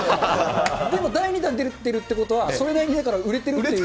でも第２弾出るってことは、それなりに売れてるっていう。